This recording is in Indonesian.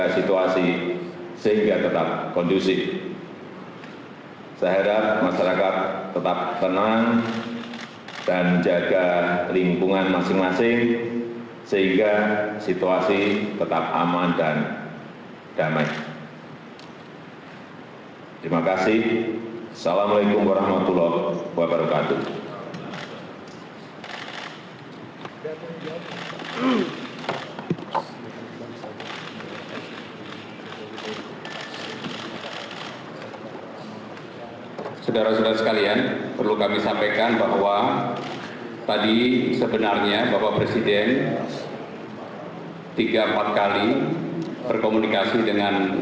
saya minta para penjurasa untuk kembali ke tempat yang telah ditemukan